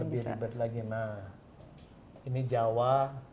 lebih ribet lagi nah ini jawa